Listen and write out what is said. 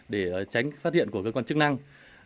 để tránh phát hiện của cơ quan chức năng